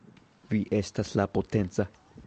Vi estas la Potenca!